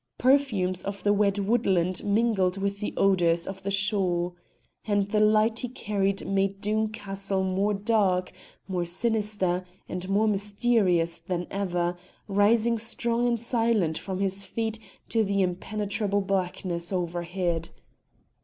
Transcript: Perfumes of the wet woodland mingled with the odours of the shore. And the light he carried made Doom Castle more dark, more sinister and mysterious than ever, rising strong and silent from his feet to the impenetrable blackness overhead.